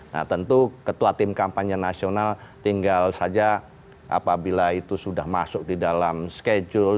nah tentu ketua tim kampanye nasional tinggal saja apabila itu sudah masuk di dalam schedule